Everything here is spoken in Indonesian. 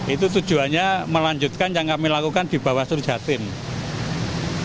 itu tujuannya melanjutkan yang kami lakukan di bawaslu jawa timur